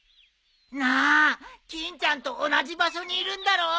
なあ欽ちゃんと同じ場所にいるんだろ？